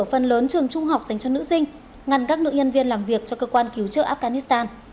phần lớn trường trung học dành cho nữ sinh ngăn các nữ nhân viên làm việc cho cơ quan cứu trợ afghanistan